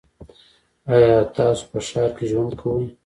ایا تاسو په ښار کې ژوند کوی؟